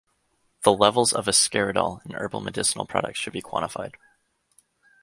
The levels of ascaridole in herbal medicinal products should be quantified.